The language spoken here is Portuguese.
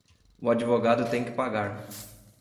O advogado tem que pagar.